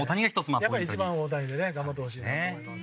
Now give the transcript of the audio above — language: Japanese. やっぱ１番は大谷でね頑張ってほしいなって思います。